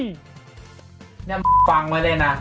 นี่ฟังไว้เลยนะ